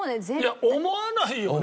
いや思わないよね？